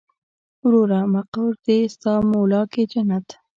وروره مقر دې ستا مولا کې جنت.